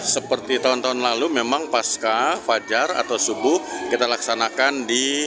seperti tahun tahun lalu memang pasca fajar atau subuh kita laksanakan di